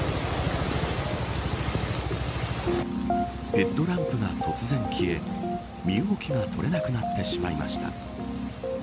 ヘッドランプが突然消え身動きが取れなくなってしまいました。